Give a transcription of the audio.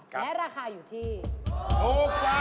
เบ๊กเองก็ยินมา